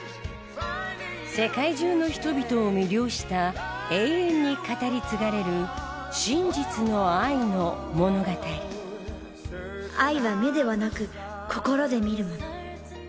世界中の人々を魅了した永遠に語り継がれる愛は目ではなく心で見るもの。